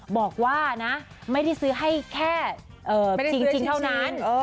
บอกว่านะไม่ได้ซื้อให้แค่จริงเท่านั้น